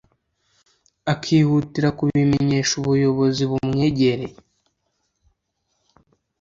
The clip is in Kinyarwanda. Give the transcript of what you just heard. akihutira kubimenyesha ubuyobozi bumwegereye